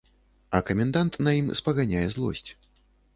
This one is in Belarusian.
А камендант на ім спаганяе злосць.